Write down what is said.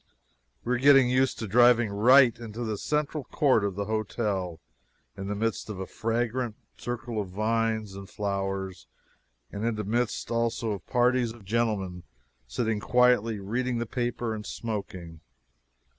We are getting used to driving right into the central court of the hotel, in the midst of a fragrant circle of vines and flowers, and in the midst also of parties of gentlemen sitting quietly reading the paper and smoking.